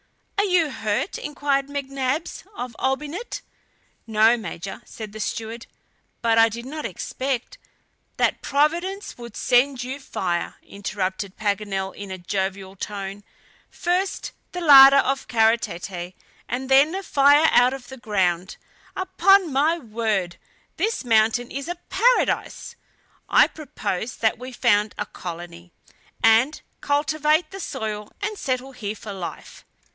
"Are you hurt?" inquired McNabbs of Olbinett. "No, Major," said the steward, "but I did not expect " "That Providence would send you fire," interrupted Paganel in a jovial tone. "First the larder of Kara Tete and then fire out of the ground! Upon my word, this mountain is a paradise! I propose that we found a colony, and cultivate the soil and settle here for life!